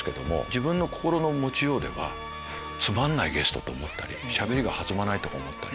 自分の心の持ちようではつまんないゲストと思ったりしゃべりが弾まないとか思ったり。